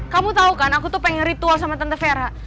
kamu tau kan aku tuh pengen ritual sama tante vera